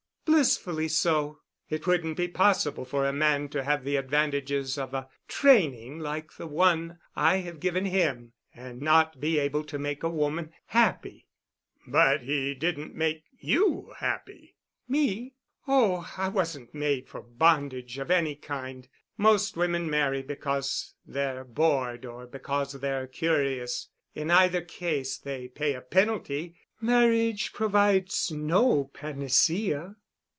"Blissfully so. It wouldn't be possible for a man to have the advantages of a training like the one I have given him and not be able to make a woman happy." "But he didn't make you happy." "Me? Oh, I wasn't made for bondage of any kind. Most women marry because they're bored or because they're curious. In either case they pay a penalty. Marriage provides no panacea.